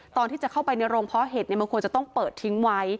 ตอนที่จะเข้าไปในโรงเพาะเห็ดมันควรจะต้องเปิดทิ้งไว้